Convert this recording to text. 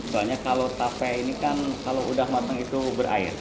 soalnya kalau tape ini kan kalau udah matang itu berair